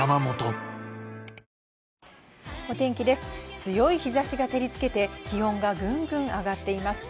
強い日差しが照りつけて気温がぐんぐん上がっています。